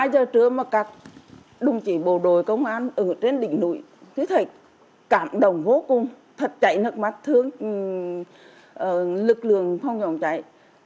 một mươi hai giờ trưa mà các đồng chí bộ đội công an ở trên đỉnh núi thì thấy cảm động vô cùng thật chạy nước mắt thương lực lượng không dòng chạy